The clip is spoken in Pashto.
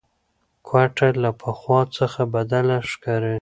کوټه له پخوا څخه بدله ښکاري.